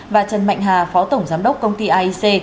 và trần mạnh hà phó tổng giám đốc công ty aic